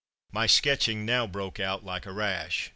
My sketching now broke out like a rash.